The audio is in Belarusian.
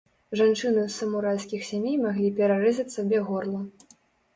Жанчыны з самурайскіх сямей маглі перарэзаць сабе горла.